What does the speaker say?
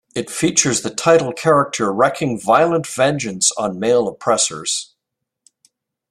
It features the title character wreaking violent vengeance on male oppressors.